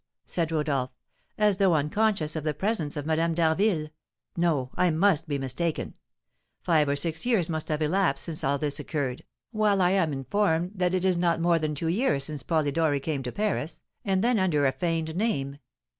said Rodolph, as though unconscious of the presence of Madame d'Harville, "no, I must be mistaken. Five or six years must have elapsed since all this occurred, while I am informed that it is not more than two years since Polidori came to Paris, and then under a feigned name.